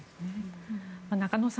中野さん